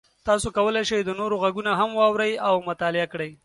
تاسو کولی شئ د نورو غږونه هم واورئ او مطالعه کړئ.